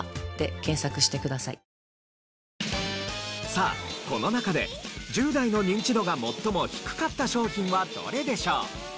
さあこの中で１０代のニンチドが最も低かった商品はどれでしょう？